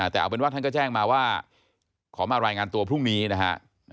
แต่เอาเป็นว่าท่านก็แจ้งมาว่าขอมารายงานตัวพรุ่งนี้นะฮะ